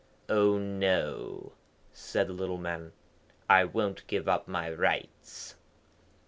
'Oh no!' said the little man; 'I won't give up my rights.'